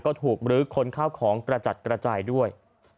ก็ถูกมรื้อค้นข้าวของกระจัดกระจายด้วย